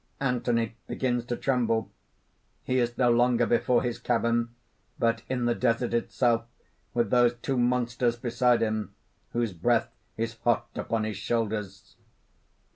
(Anthony begins to tremble. _He is no longer before his cabin, but in the desert itself, with those two monsters beside him, whose breath is hot upon his shoulders.